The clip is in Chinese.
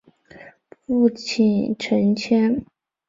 父亲陈谦。